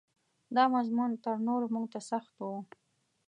دا مضمون تر نورو موږ ته سخت و.